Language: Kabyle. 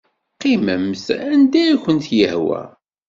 Qqimemt anda i kent-yehwa.